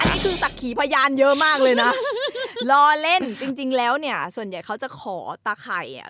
โอ้โหอันนี้พี่จับขี่พระยานเยอะมากเลยน่ะรอเล่นจริงจริงแล้วเนี้ยส่วนใหญ่เขาจะขอตาไข่สักที